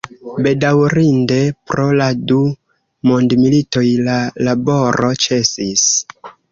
Bedaŭrinde, pro la du mondmilitoj la laboro ĉesis.